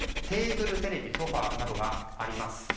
テーブル、テレビソファなどがあります。